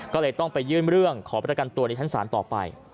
ก็เลยต้องไปยื่นเรื่องขอประกันตัวในชั้นศาลต่อไป